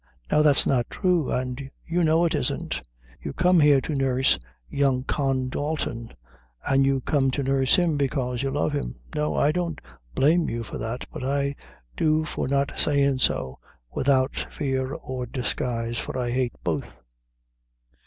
Now that's not true, and you know it isn't. You come here to nurse young Con Dalton: and you came to nurse him, bekaise you love him. No, I don't blame you for that, but I do for not saying so, without fear or disguise for I hate both."